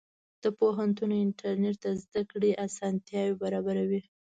د پوهنتون انټرنېټ د زده کړې اسانتیا برابروي.